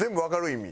意味。